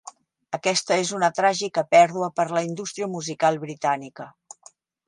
Aquesta és una tràgica pèrdua per la indústria musical britànica.